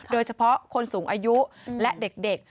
โดยเฉพาะคนสูงอายุและเด็ก